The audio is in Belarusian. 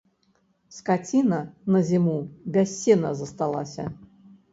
Скаціна на зіму без сена засталася.